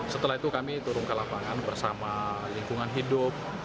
setelah itu kami turun ke lapangan bersama lingkungan hidup